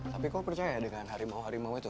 tapi kok percaya dengan harimau harimau itu